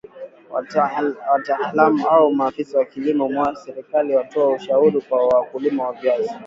wataalam au maafisa wa kilimo wa serikali watoe ushauri kwa wakulima wa viazi